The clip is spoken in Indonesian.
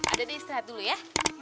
adetnya istirahat dulu ya